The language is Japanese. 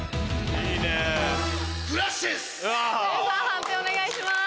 判定お願いします。